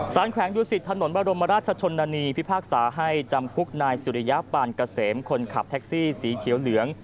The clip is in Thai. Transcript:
แขวงดุสิตถนนบรมราชชนนานีพิพากษาให้จำคุกนายสุริยปานเกษมคนขับแท็กซี่สีเขียวเหลือง